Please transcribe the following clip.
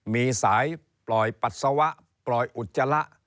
มีสายปล่อยปัสสาวะปล่อยอุจจาระ